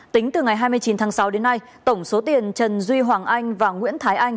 tính từ ngày hai mươi chín tháng sáu đến nay tổng số tiền trần duy hoàng anh và nguyễn thái anh